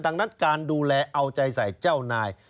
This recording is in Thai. ดังนั้นการดูแลเอาใจใส่เจ้านาย